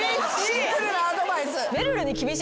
シンプルなアドバイス。